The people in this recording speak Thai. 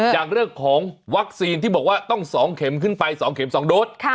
อย่างเรื่องของวัคซีนที่บอกว่าต้อง๒เข็มขึ้นไป๒เข็ม๒โดส